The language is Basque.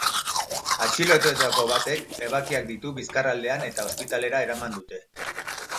Atxilotuetako batek ebakiak ditu bizkar aldean eta ospitalera eraman dute.